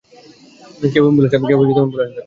কেউ অ্যাম্বুলেন্স ডাকুন!